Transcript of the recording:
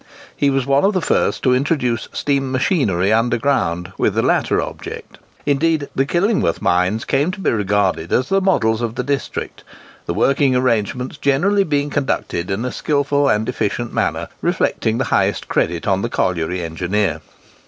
He was one of the first to introduce steam machinery underground with the latter object. Indeed, the Killingworth mines came to be regarded as the models of the district; the working arrangements generally being conducted in a skilful and efficient manner, reflecting the highest credit on the colliery engineer.